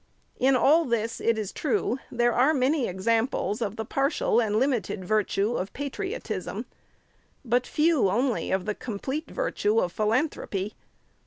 In all this, it is true, there are many examples of the partial and limited virtue of patriotism ; but few, only, of the complete virtue of phi lanthropy.